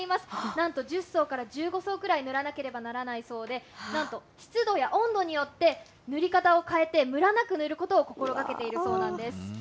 なんと１０層から１５層ぐらい塗らなければならないそうで、なんと湿度や温度によって、塗り方を変えて、むらなく塗ることを心がけているそうなんです。